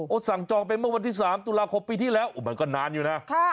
สั่งจองไปเมื่อวันที่๓ตุลาคมปีที่แล้วมันก็นานอยู่นะ